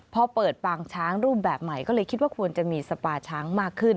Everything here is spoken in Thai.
พอเปิดปางช้างรูปแบบใหม่ก็เลยคิดว่าควรจะมีสปาช้างมากขึ้น